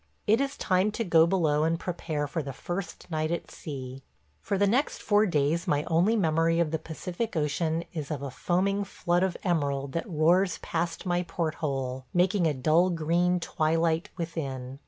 It is time to go below and prepare for the first night at sea. For the next four days my only memory of the Pacific Ocean is of a foaming flood of emerald that roars past my port hole, making a dull green twilight within.